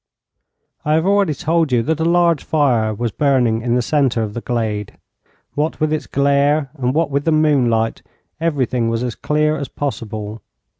I have already told you that a large fire was burning in the centre of the glade. What with its glare, and what with the moonlight, everything was as clear as possible.